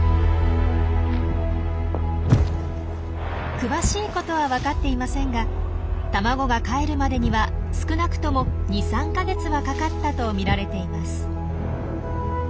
詳しいことは分かっていませんが卵がかえるまでには少なくとも２３か月はかかったと見られています。